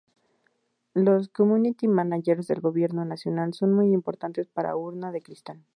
Los community managers del gobierno nacional son muy importantes para Urna de Cristal.